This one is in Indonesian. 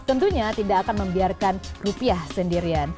tentunya tidak akan membiarkan rupiah sendirian